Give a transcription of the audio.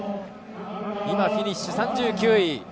今、フィニッシュ、３９位。